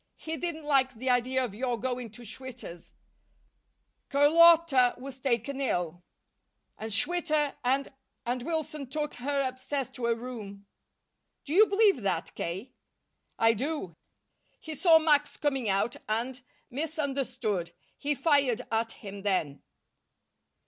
He didn't like the idea of your going to Schwitter's. Carlotta was taken ill. And Schwitter and and Wilson took her upstairs to a room." "Do you believe that, K.?" "I do. He saw Max coming out and misunderstood. He fired at him then."